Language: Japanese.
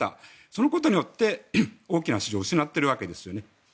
そのことによって大きな市場を失っているわけですよね。